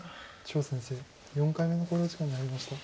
張先生４回目の考慮時間に入りました。